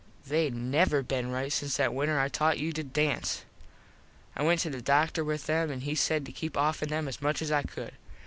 They never been right since that winter I taught you to dance. I went to the doctor with them an he said to keep offen them as much as I could.